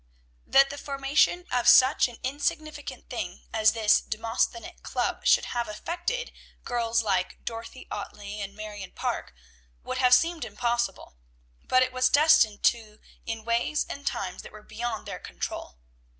That the formation of such an insignificant thing as this Demosthenic Club should have affected girls like Dorothy Ottley and Marion Parke would have seemed impossible; but it was destined to in ways and times that were beyond their control.